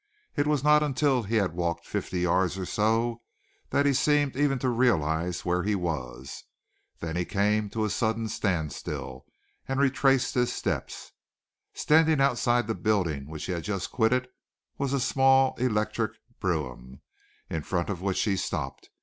It was not until he had walked fifty yards or so that he seemed even to realize where he was. Then he came to a sudden standstill, and retraced his steps. Standing outside the building which he had just quitted was a small electric brougham, in front of which he stopped.